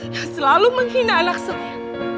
dia selalu menghina anak saya